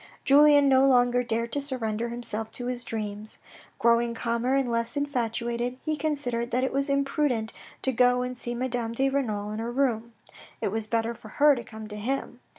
Julien no longer dared to surrender himself to his dreams. Growing calmer and less infatuated, he considered that it was imprudent to go and see Madame de Renal in her room. It was better for her to come to him.